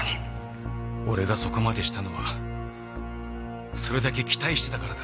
俺がそこまでしたのはそれだけ期待してたからだ。